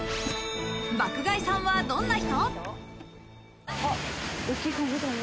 爆買いさんはどんな人？